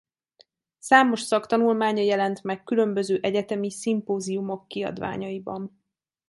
Számos szaktanulmánya jelent meg különböző egyetemi szimpóziumok kiadványaiban.